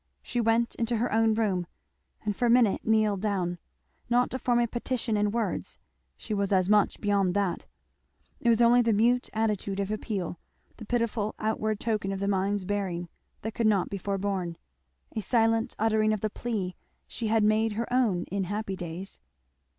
She went into her own room and for a minute kneeled down, not to form a petition in words, she was as much beyond that; it was only the mute attitude of appeal, the pitiful outward token of the mind's bearing, that could not be forborne, a silent uttering of the plea she had made her own in happy days.